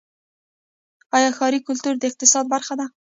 آیا ښاري کلتور د اقتصاد برخه ده؟